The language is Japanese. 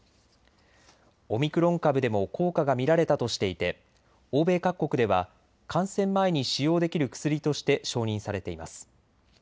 オミクロン株でも効果が見られたとしていて欧米各国では感染前に使用できる薬として承認されています。